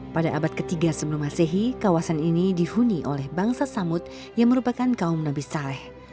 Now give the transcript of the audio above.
pada abad ketiga sebelum masehi kawasan ini dihuni oleh bangsa samud yang merupakan kaum nabi saleh